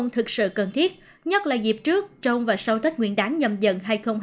thực sự cần thiết nhất là dịp trước trong và sau tết nguyên đáng nhầm dần dần hai nghìn hai mươi bốn